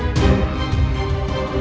aku akan memperbaiki